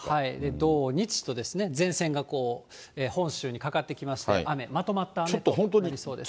土日と、前線が本州にかかってきまして、雨、まとまった雨が降りそうです。